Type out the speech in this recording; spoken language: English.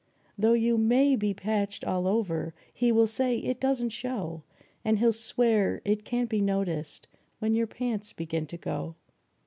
Though you may be patched all over he will say it doesn't show, And he'll swear it can't be noticed when your pants begin to go.